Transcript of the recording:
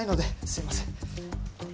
すいません。